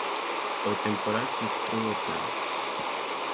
O temporal frustrou o plan.